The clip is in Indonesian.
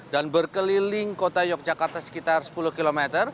dan berkeliling kota yogyakarta sekitar sepuluh km